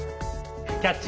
「キャッチ！